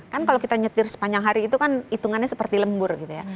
kan kalau kita nyetir sepanjang hari itu kan hitungannya seperti lembur gitu ya